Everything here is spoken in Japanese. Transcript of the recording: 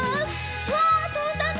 うわとんだね。